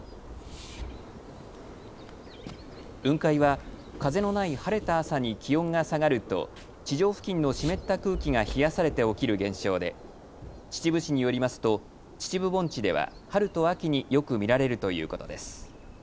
雲海は風のない晴れた朝に気温が下がると地上付近の湿った空気が冷やされて起きる現象で秩父市によりますと秩父盆地では春と秋によく見られるということです。